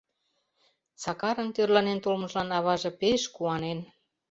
Сакарын тӧрланен толмыжлан аваже пеш куанен: